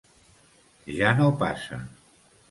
Ja no passa.